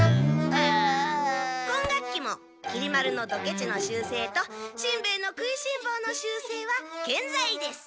今学期もきり丸のドケチの習せいとしんべヱの食いしんぼうの習せいはけんざいです。